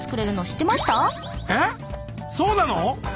え⁉そうなの？